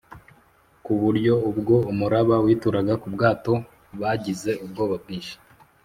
ku buryo ubwo umuraba wituraga ku bwato, bagize ubwoba bwinshi